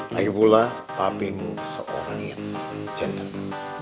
lagipula papimu seorang yang jantan